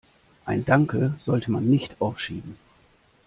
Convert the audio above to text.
Ein Danke sollte man nicht aufschieben.